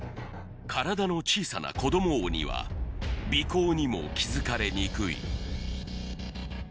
体の小さな子ども鬼は尾行にも気づかれにくい